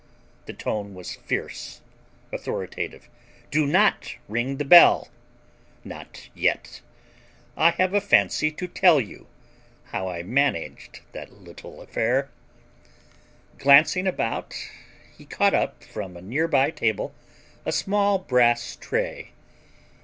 The tone was fierce, authoritative. "Do not ring the bell, not yet. I have a fancy to tell you how I managed that little affair." Glancing about, he caught up from a near by table a small brass tray.